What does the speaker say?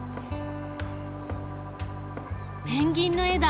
ペンギンの絵だ。